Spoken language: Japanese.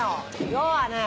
要はね